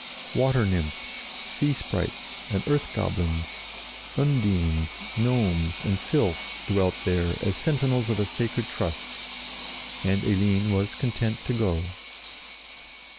Water nymphs, sea sprites, and earth goblins, undines, gnomes, and sylphs dwelt there as sentinels of a sacred trust, and Eline was content to go.